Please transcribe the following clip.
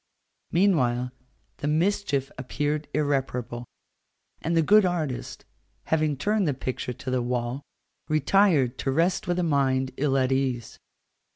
Meanwhile, the mischief appeared irreparable, and the good artist, having turned the picture to the wall, retired to rest with a mind ill at ease.